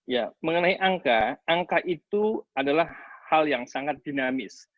ya mengenai angka angka itu adalah hal yang sangat dinamis